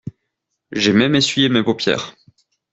J'ai même essuyé mes paupières.